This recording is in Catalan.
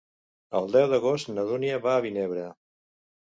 El deu d'agost na Dúnia va a Vinebre.